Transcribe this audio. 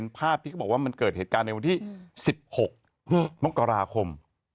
ภาพที่เขาบอกว่ามันเกิดเหตุการณ์ในวันที่๑๖มกราคม